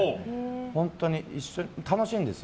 本当に楽しいんですよ。